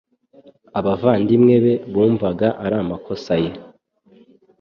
Abavandimwe be bumvaga ari amakosa ye,